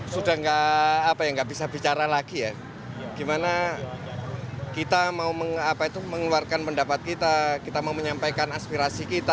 sudah nggak bisa bicara lagi ya gimana kita mau mengeluarkan pendapat kita kita mau menyampaikan aspirasi kita